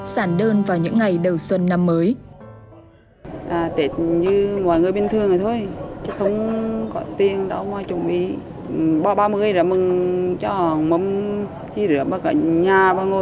sản đơn vào những ngày đầu xuân năm mới